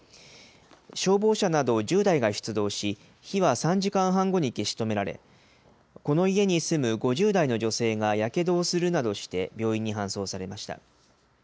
消防車など１０台が出動し、火は３時間半後に消し止められ、この家に住む５０代の女性がやけどをするなどして病院に搬送されました。